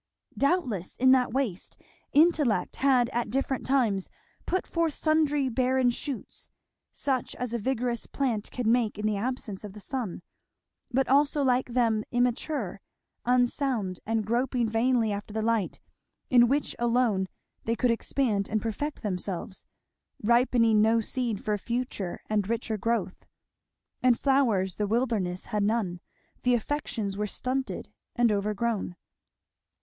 Doubtless in that waste, intellect had at different times put forth sundry barren shoots, such as a vigorous plant can make in the absence of the sun, but also like them immature, unsound, and groping vainly after the light in which alone they could expand and perfect themselves; ripening no seed for a future and richer growth. And flowers the wilderness had none. The affections were stunted and overgrown.